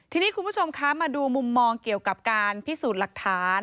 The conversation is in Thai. ทีนี้คุณผู้ชมคะมาดูมุมมองเกี่ยวกับการพิสูจน์หลักฐาน